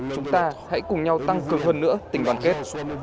chúng ta hãy cùng nhau tăng cường hơn nữa tình đoàn kết